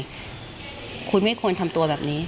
คุณควรทำยังไงคุณไม่ควรทำตัวแบบนี้